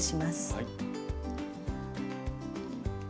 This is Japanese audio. はい。